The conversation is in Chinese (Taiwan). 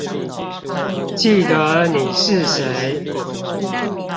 記得你是誰